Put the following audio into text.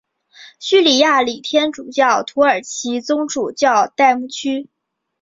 叙利亚礼天主教土耳其宗主教代牧区。